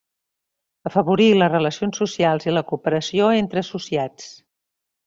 Afavorir les relacions socials i la cooperació entre associats.